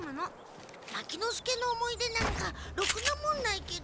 牧之介の思い出なんかろくなもんないけど。